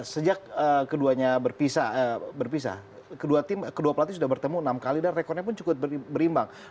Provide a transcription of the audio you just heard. sejak keduanya berpisah kedua pelatih sudah bertemu enam kali dan rekornya pun cukup berimbang